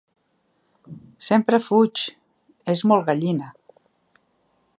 Sempre fuig: és molt gallina.